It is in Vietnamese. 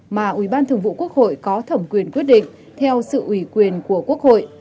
mà ubthqh có thẩm quyền quyết định theo sự ủy quyền của quốc hội